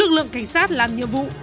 lực lượng cảnh sát làm nhiệm vụ